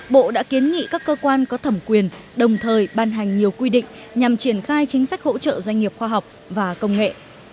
bộ đã kiến nghị các cơ quan có thẩm quyền đồng thời ban hành nhiều quy định nhằm triển khai chính sách hỗ trợ doanh nghiệp khoa học và công nghệ